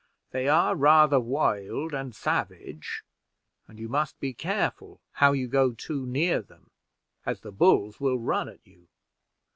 They are rather wild and savage, and you must be careful how you go too near them, as the bulls will run at you.